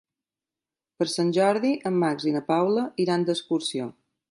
Per Sant Jordi en Max i na Paula iran d'excursió.